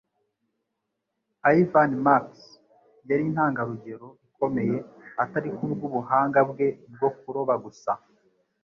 Ivan Marks yari intangarugero ikomeye, atari kubwubuhanga bwe bwo kuroba gusa